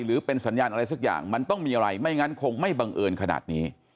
หรือเป็นสัญญาณอะไรสักอย่างมันต้องมีอะไรไม่งั้นคงไม่บังเอิญขนาดนี้